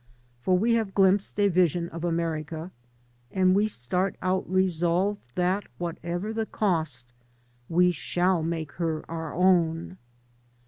For we have glimpsed a vision of America, and we start out resolved that, whatever the cost, we shall make her our own.